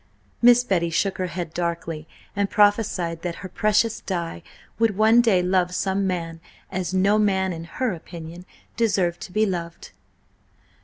Miss Betty shook her head darkly and prophesied that her precious Di would one day love some man as no man in her opinion deserved to be loved!